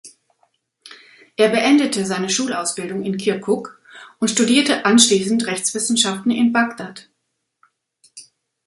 Er beendete seine Schulausbildung in Kirkuk und studierte anschließend Rechtswissenschaften in Bagdad.